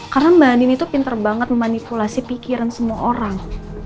karena mbak andin itu pinter banget memanipulasi pikiran semua orang